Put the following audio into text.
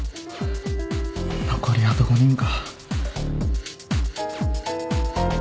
残りあと５人か。